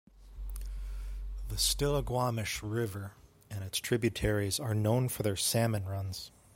The Stillaguamish River and its tributaries are known for their salmon runs.